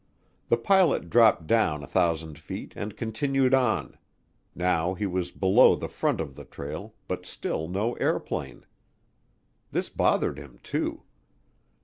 The pilot dropped down 1,000 feet and continued on now he was below the front of the trail, but still no airplane. This bothered him too.